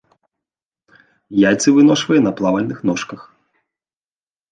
Яйцы выношвае на плавальных ножках.